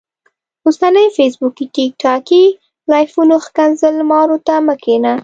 اوسنيو فيسبوکي ټیک ټاکي لايفونو ښکنځل مارو ته مه کينه